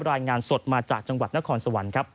รายงานสดมาจากจังหวัดนครสวรรค์ครับ